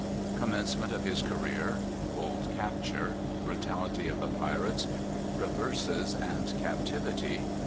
_ Commencement of his Career. Bold Capture. Brutality of the Pirates. Reverses and Captivity.